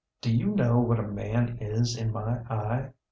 Do you know what a man is in my eye?